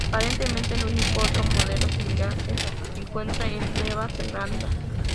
Aparentemente el único otro modelo similar se encuentra en Nueva Zelanda.